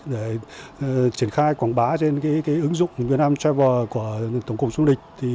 để triển khai quảng bá trên ứng dụng vietnam travel của tổng cụng du lịch